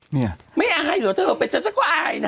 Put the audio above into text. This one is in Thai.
นี่ไม่อายหรอเธอไปจะก็อายนะ